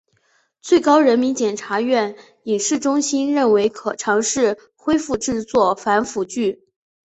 最高人民检察院影视中心认为可尝试恢复制作反腐剧。